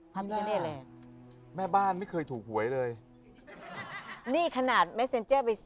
พระมิกาเนสเลยแม่บ้านไม่เคยถูกหวยเลยนี่ขนาดเมสเซ็นเจอร์ไป